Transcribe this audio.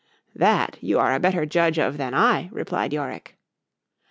—That, you are a better judge of than I, replied _Yorick.